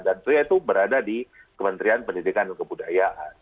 dan itu berada di kementerian pendidikan dan kebudayaan